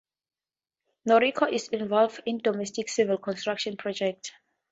Norinco is also involved in domestic civil construction projects.